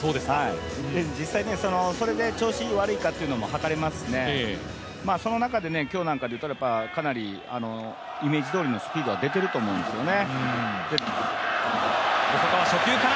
実際、それで調子いい、悪いかはかれますしその中で今日なんかでいったらかなりイメージどおりのスピードは出ていると思うんですよね。